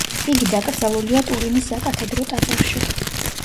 იგი დაკრძალულია ტურინის საკათედრო ტაძარში.